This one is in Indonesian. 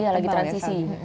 iya lagi transisi